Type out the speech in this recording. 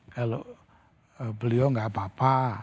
kalau beliau nggak apa apa